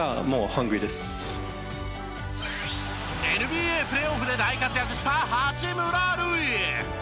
ＮＢＡプレーオフで大活躍した八村塁。